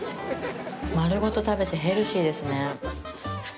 丸ごと食べてヘルシーですね。